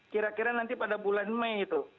kira kira nanti pada bulan mei itu